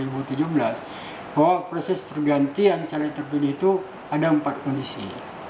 bahwa proses pergantian caleg terpilih itu ada empat kondisi